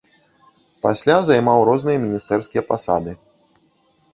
Пасля займаў розныя міністэрскія пасады.